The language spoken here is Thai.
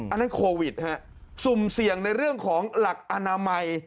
อันนั้นโควิดฮะสุ่มเสี่ยงในเรื่องของหลักอนามัย